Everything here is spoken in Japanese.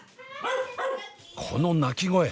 この鳴き声。